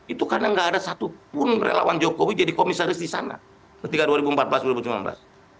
itu karena nggak ada satupun relawan jokowi jadi komisaris di sana ketika dua ribu empat belas dua ribu sembilan belas